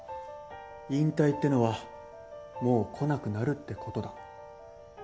引退ってのはもう来なくなるってことだ。